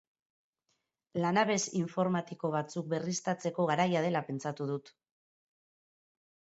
Lanabes informatiko batzuk berriztatzeko garaia dela pentsatu dut.